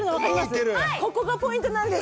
ここがポイントなんです。